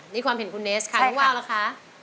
นี่ความเห็นคุณเนสค่ะคุณวาวล่ะคะ